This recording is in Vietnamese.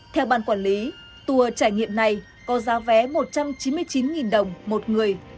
theo bàn quản lý tùa trải nghiệm này có giá vé một trăm chín mươi chín đồng một người